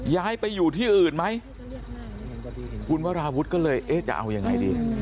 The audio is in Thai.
ย้ายไปอยู่ที่อื่นไหมคุณวราวุฒิก็เลยเอ๊ะจะเอายังไงดี